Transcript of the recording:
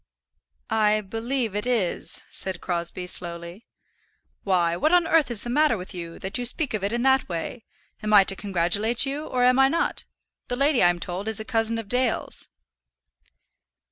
"I believe it is," said Crosbie, slowly. "Why, what on earth is the matter with you, that you speak of it in that way? Am I to congratulate you, or am I not? The lady, I'm told, is a cousin of Dale's."